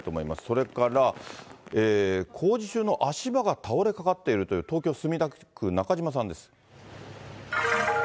それから工事中の足場が倒れかかっているという、東京・墨田区、中島さんです。